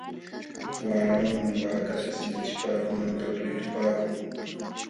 Waqlawanmi waakata sintachipaakunanpaq tuytupaakun.